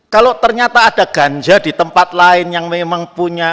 kalau ternyata ada ganja di tempat lain yang memang punya